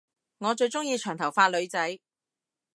我最鐘意長頭髮女仔